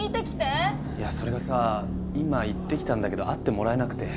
いやそれがさ今行ってきたんだけど会ってもらえなくて。